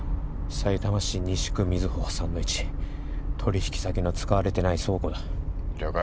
さいたま市西区瑞穂３−１取引先の使われてない倉庫だ了解